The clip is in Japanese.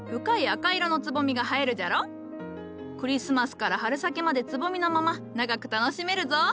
クリスマスから春先までつぼみのまま長く楽しめるぞ。